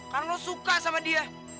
karena lu suka sama dia